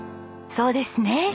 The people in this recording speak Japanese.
そうですね。